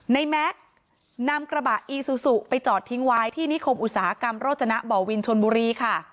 แม็กซ์นำกระบะอีซูซูไปจอดทิ้งไว้ที่นิคมอุตสาหกรรมโรจนะบ่อวินชนบุรีค่ะ